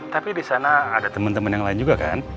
tapi disana ada temen temen yang lain juga kan